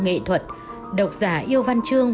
nghệ thuật độc giả yêu văn chương